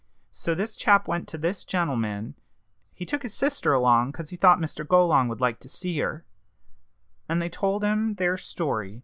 So this chap went to this gentleman he took his sister along, 'cause he thought Mr. Golong would like to see her and they told him their story.